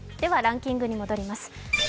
ランキングに戻ります。